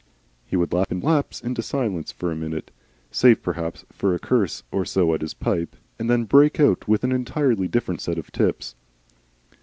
He would lapse into silence for a minute, save perhaps for a curse or so at his pipe, and then break out with an entirely different set of tips.